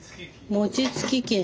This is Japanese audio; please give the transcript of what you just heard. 餅つき機。